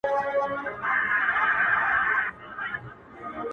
نن هغه ماشه د ورور پر لور كشېږي!